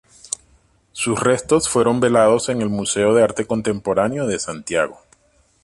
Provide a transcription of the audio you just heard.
Sus restos fueron velados en el Museo de Arte Contemporáneo de Santiago.